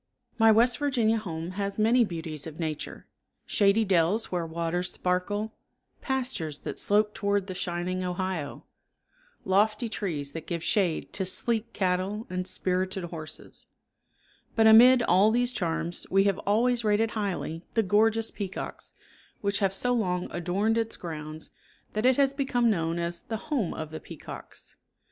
My West Virginia home has many beauties of nature, shady dells where waters sparkle, pastures that slope toward the shining Ohio, lofty trees that give shade to sleek cattle and spirited horses; but amid all these charms we have always rated highly the gorgeous peacocks which have so long adorned its grounds that it has become known as the "Home of the Peacocks."